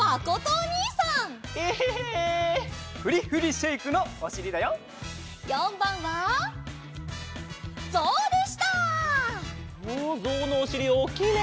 おぞうのおしりおおきいね！